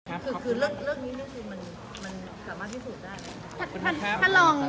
คือเลือกนี้เลือกนี้มันสามารถพิสูจน์ได้